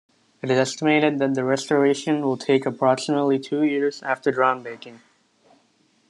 It is estimated the restoration will take approximately two years after ground-breaking.